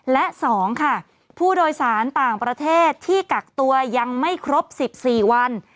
และ๒ค่ะผู้โดยสารต่างประเทศที่กักตัวยังไม่ครบ๑๔วัน